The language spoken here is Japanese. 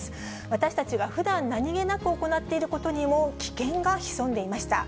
私たちがふだん、何気なく行っていることにも危険が潜んでいました。